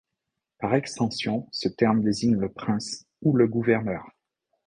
Par extension, ce terme désigne le prince ou le gouverneur.